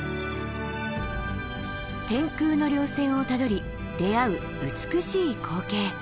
天空の稜線をたどり出会う美しい光景。